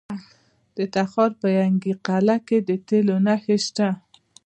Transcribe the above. د تخار په ینګي قلعه کې د تیلو نښې شته.